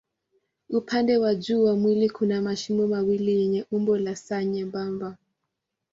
Upande wa juu wa mwili kuna mashimo mawili yenye umbo la S nyembamba.